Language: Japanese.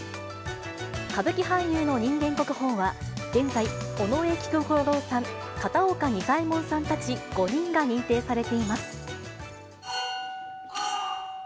歌舞伎俳優の人間国宝は、現在、尾上菊五郎さん、片岡仁左衛門さんたち５人が認定されています。